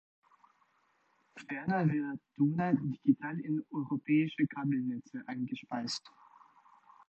Ferner wird Duna digital in europäische Kabelnetze eingespeist.